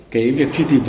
cái việc truy tìm